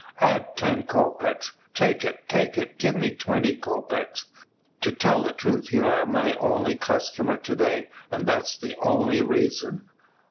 Add ten kopeks. Take it, take it! give me twenty kopeks. To tell the truth, you are my only customer to day, and that's the only reason."